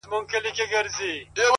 خو كله ـ كله مي بيا ـ